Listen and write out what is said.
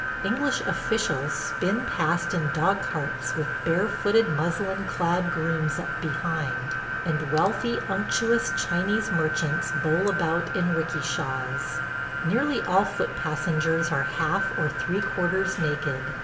English officials spin past in dog carts with bare footed muslin clad grooms up behind, and wealthy unctuous Chinese merchants bowl about in 'rikishas. Nearly all foot passengers are half or three quarters naked.